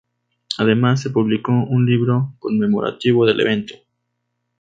Además, se publicó un libro conmemorativo del evento.